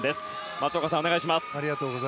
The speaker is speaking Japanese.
松岡さん、お願いします。